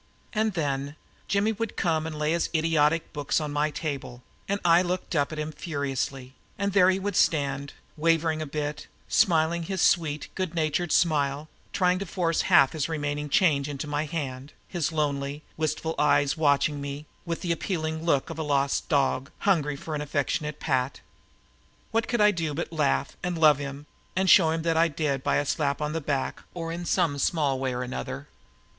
And then Jimmy would come and lay his idiotic books on my table and I would look up at him furiously; and there he would stand, wavering a bit, smiling his sweet, good natured smile, trying to force half his remaining change into my hand, his lonely, wistful eyes watching me with the appealing look of a lost dog hungry for an affectionate pat. What could I do but laugh and love him and show him I did by a slap on the back or in some small way or another?